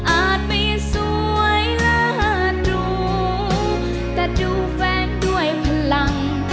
อาจไม่สวยและรู้แต่ดูแฟงด้วยพลัง